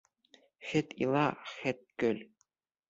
Хет ила, хет көл.